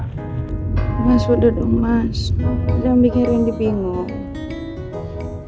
jangan bikin ren dipinggung